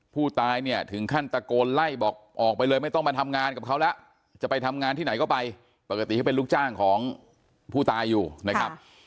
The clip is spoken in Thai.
ผู้ตายเนี่ยถึงขั้นตะโกนไล่บอกออกไปเลยไม่ต้องมาทำงานกับเขาแล้วจะไปทำงานที่ไหนก็ไปปกติเขาเป็นลูกจ้างของผู้ตายอยู่นะครับ